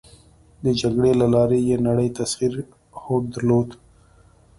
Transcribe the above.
د جګړې له لارې یې نړی تسخیر هوډ درلود.